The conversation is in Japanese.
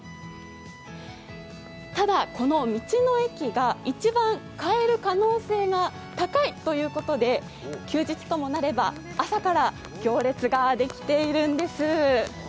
ただ、この道の駅が一番買える可能性が高いということで休日ともなれば、朝から行列ができているんです。